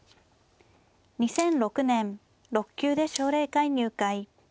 ２００６年６級で奨励会入会。